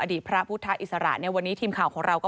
อดีตพระพุทธอิสราและวันนี้ทีมข่าวของเราก็